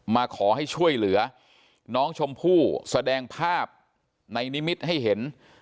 มาขอให้ช่วยเหลือน้องชมพู่แสดงภาพในนิมิตรให้เห็น